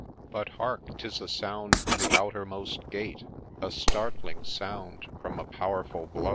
— But hark !— 'tis a sound from the outermost gate I A startling sound from a powerful blow.